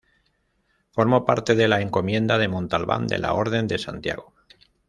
Formó parte de la Encomienda de Montalbán de la Orden de Santiago.